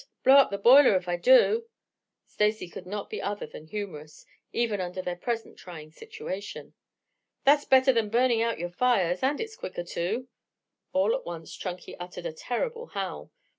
Blow up the boiler if I do," Stacy could not be other than humorous, even under their present trying situation. "That's better than burning out your fires, and it's quicker too " All at once, Chunky uttered a terrible howl.